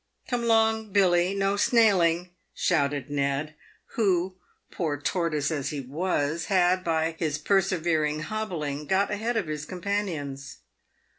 " Come along, Billy, no snailing," shouted Ned, who, poor tortoise as he was, had, by his persevering hobbling, got ahead of his com panions.